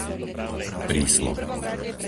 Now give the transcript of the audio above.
Príslop